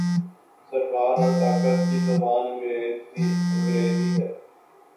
سرکار اور طاقت کی زبان انگریزی ہے۔